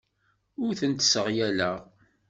Ur tent-sseɣyaleɣ.